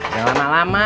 jangan lama lama